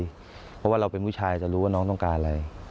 เพราะว่าเราเป็นผู้ชายจะรู้ว่าน้องต้องการอะไร